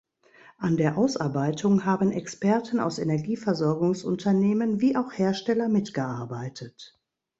An der Ausarbeitung haben Experten aus Energieversorgungsunternehmen wie auch Hersteller mitgearbeitet.